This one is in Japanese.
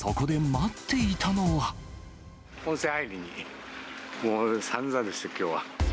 温泉入りに、もうさんざんですよ、きょうは。